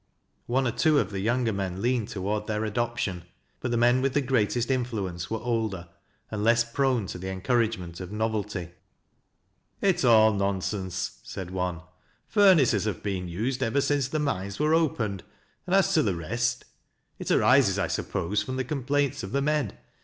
One or two of the j'ounger men leaned toward their adoption. But the men with the greatest influence were older, and leBs prone to the encouragement of novelty. " It's all nonsense," said one. " Furnaces have been need ever since the mines 'were opened, and as to the rest —it arises, I suppose, from the complaints of the men.